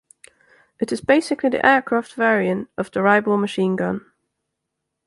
It is basically the aircraft variant of the Reibel machine gun.